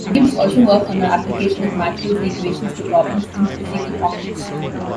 Gibbs also worked on the application of Maxwell's equations to problems in physical optics.